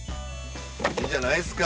いいじゃないですか。